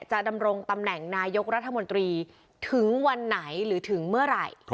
ดำรงตำแหน่งนายกรัฐมนตรีถึงวันไหนหรือถึงเมื่อไหร่